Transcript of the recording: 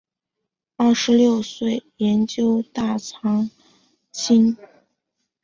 二十六岁研究大藏经。